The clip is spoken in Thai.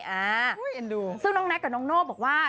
อ่าเอ็นดูซึ่งน้องแน็กกับน้องโน่บอกว่า